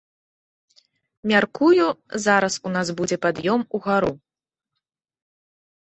Мяркую, зараз у нас будзе пад'ём угару.